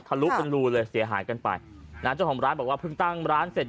ลุเป็นรูเลยเสียหายกันไปนะเจ้าของร้านบอกว่าเพิ่งตั้งร้านเสร็จ